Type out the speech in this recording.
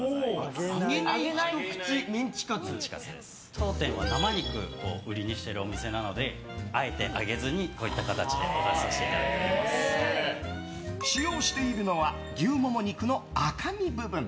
当店は生肉を売りにしているお店なのであえて、揚げずにこういった形で使用しているのは牛モモ肉の赤身部分。